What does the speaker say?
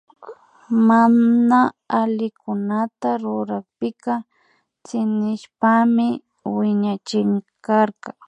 Mana allikunata rurakpika tsinishpami wiñachinkarka